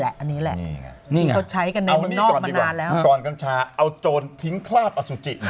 ก่อนกำชาเอาโจรทิ้งคราบอสุจิ